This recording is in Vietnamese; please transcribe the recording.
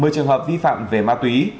một mươi trường hợp vi phạm về ma túy